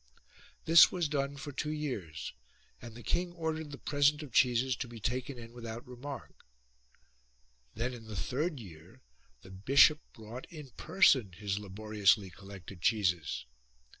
This was done for two years and the king ordered the present of cheeses to be taken in without remark : then in the third year the bishop brought in person his laboriously collected cheeses.